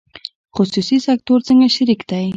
خصوصي سکتور څنګه شریک دی؟